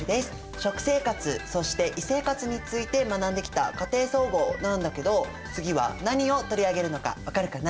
食生活そして衣生活について学んできた家庭総合なんだけど次は何を取り上げるのか分かるかな？